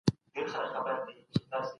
د دغي پېښي جزیات څه دي؟